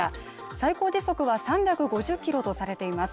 最高時速は３５０キロとされています。